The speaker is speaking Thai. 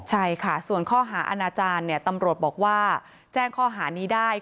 ใช่ค่ะส่วนข้อหาอาณาจารย์ตำรวจบอกว่าแจ้งข้อหานี้ได้